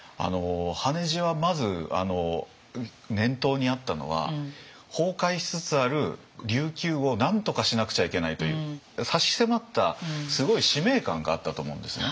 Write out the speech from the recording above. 羽地はまず念頭にあったのは崩壊しつつある琉球をなんとかしなくちゃいけないという差し迫ったすごい使命感があったと思うんですね。